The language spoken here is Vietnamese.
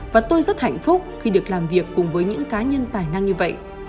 và tôi rất hạnh phúc khi được làm việc cùng với những cá nhân tài năng như vậy